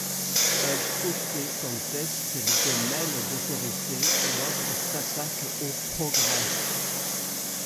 Un côté conteste l’idée même d’autorité, l’autre s'attaque au progrès.